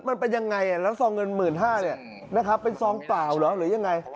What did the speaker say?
มันเป็นยังไงแล้วซองเงิน๑๕๐๐๐บาทเนี่ยเป็นซองเปล่าหรือยังไง